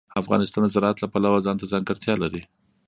افغانستان د زراعت له پلوه ځانته ځانګړتیا لري.